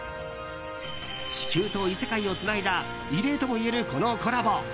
地球と異世界をつないだ異例ともいえる、このコラボ。